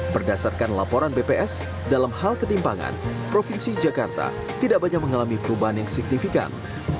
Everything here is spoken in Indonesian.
berdasarkan laporan bps dalam hal ketimpangan provinsi jakarta tidak banyak mengalami perubahan yang signifikan